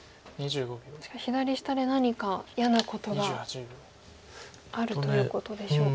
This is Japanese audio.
左下で何か嫌なことがあるということでしょうか。